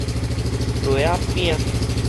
螺仔餅